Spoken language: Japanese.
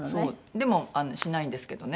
でもしないんですけどね。